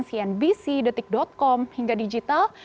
cnbc detik com hingga digital